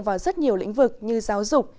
vào rất nhiều lĩnh vực như giáo dục